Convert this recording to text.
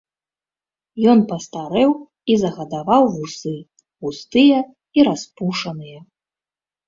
Ён пастарэў і загадаваў вусы, густыя і распушаныя.